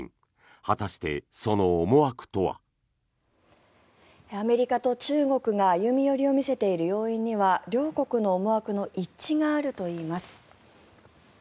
果たして、その思惑とは。アメリカと中国が歩み寄りを見せている要因には両国の思惑の一致があるといいます。